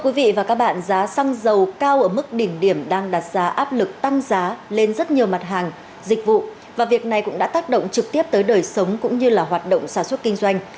quý vị và các bạn giá xăng dầu cao ở mức đỉnh điểm đang đặt ra áp lực tăng giá lên rất nhiều mặt hàng dịch vụ và việc này cũng đã tác động trực tiếp tới đời sống cũng như là hoạt động sản xuất kinh doanh